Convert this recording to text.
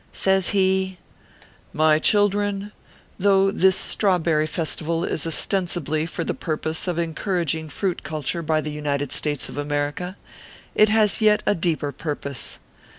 Says he :" My children, though this strawberry festival is ostensibly for the purpose of encouraging fruit cul ture by the United States of America, it has yet a deeper purpose.